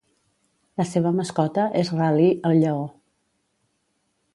La seva mascota és Rah-Lee el Lleó.